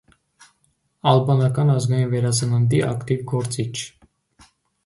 Ալբանական ազգային վերածննդի ակտիվ գործիչ։